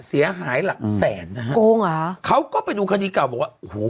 เสียหายหลักแสนนะฮะโกงเหรอฮะเขาก็ไปดูคดีเก่าบอกว่าโอ้โห